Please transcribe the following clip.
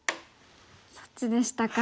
そっちでしたか。